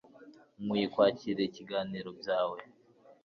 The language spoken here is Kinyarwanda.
Nkwiye kwakira ikiganiro byawe